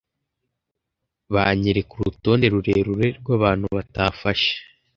banyereka urutonde rurerure rw’abantu batafashe,